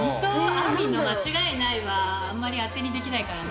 あーみんの間違いないはあんまり当てにできないからな。